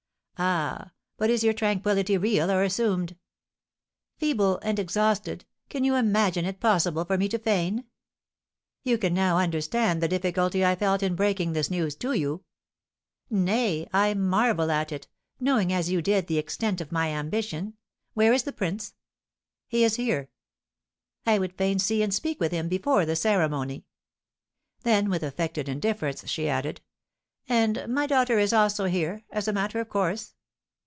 "Ah, but is your tranquillity real or assumed?" "Feeble and exhausted, can you imagine it possible for me to feign?" "You can now understand the difficulty I felt in breaking this news to you?" "Nay, I marvel at it, knowing as you did the extent of my ambition. Where is the prince?" "He is here." "I would fain see and speak with him before the ceremony." Then, with affected indifference, she added, "And my daughter is also here, as a matter of course?"